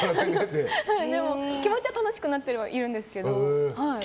でも、気持ちは楽しくなってはいるんですけど。